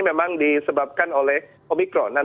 memang disebabkan oleh omikron